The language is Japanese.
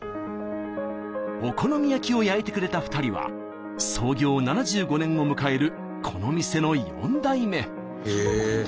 お好み焼きを焼いてくれた２人は創業７５年を迎えるこの店の４代目。